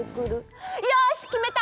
よしきめた！